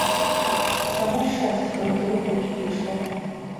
Само шчасце багатыру ў рукі прыйшло.